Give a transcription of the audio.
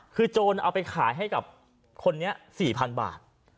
คือโจรเอาไปขายให้กับคนนี้๔๐๐๐บาท